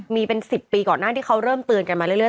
มีเป็น๑๐ปีก่อนหน้าที่เขาเริ่มเตือนกันมาเรื่อย